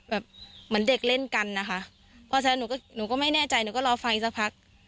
แบบเหมือนเด็กเล่นกันนะคะเพราะฉะนั้นหนูก็หนูก็ไม่แน่ใจหนูก็รอไฟสักพัก